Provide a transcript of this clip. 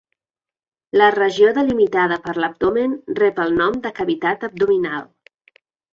La regió delimitada per l'abdomen rep el nom de cavitat abdominal.